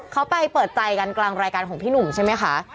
เขาไปเปิดใจกันกลางรายการของพี่หนุ่มใช่ไหมคะ